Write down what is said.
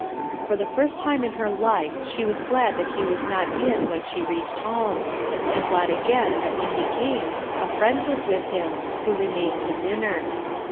For the first time in her life she was glad that he was not in when she reached home; and glad again that when he came a friend was with him, who re mained to dinner.